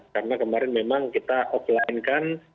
karena kemarin memang kita offline kan